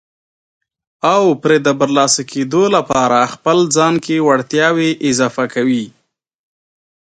او پرې د برلاسه کېدو لپاره خپل ځان کې وړتیاوې اضافه کوي.